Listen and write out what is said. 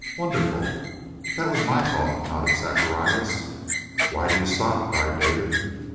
"Wonderful!" "That was my thought," nodded Zacharias. "Why do you stop?" cried David.